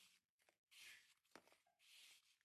起始站分别为费德莫兴站到展览中心东站。